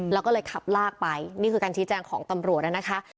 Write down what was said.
แล้วก็เลยขับลากไปนี่คือการชี้แจงของตำรวจแล้วนะคะ